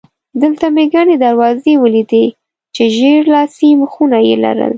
دلته مې ګڼې دروازې ولیدې چې ژېړ لاسي مېخونه یې لرل.